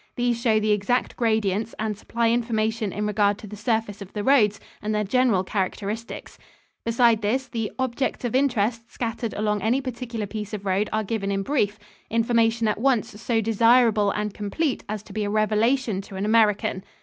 These show the exact gradients and supply information in regard to the surface of the roads and their general characteristics. Besides this, the "objects of interest" scattered along any particular piece of road are given in brief information at once so desirable and complete as to be a revelation to an American.